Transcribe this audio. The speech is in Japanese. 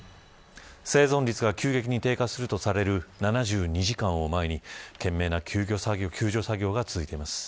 生存率が急激に低下するとされる７２時間を前に懸命な救助作業が続いています。